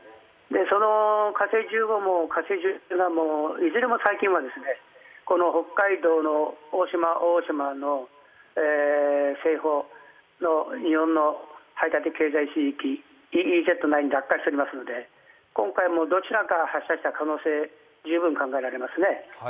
その火星１５も火星１７もいずれもこの北海道の渡島大島の西方、日本の排他的経済水域、ＥＥＺ内に落下していますので今回もどちらかを発射した可能性十分考えられますね。